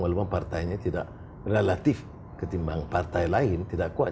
walaupun partainya tidak relatif ketimbang partai lain tidak kuat